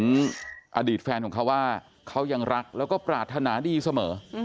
ต้องฝากบอกไปถึงอดีตแฟนของเค้าว่าเขายังรักแล้วก็ปลาธนาดีเสมอ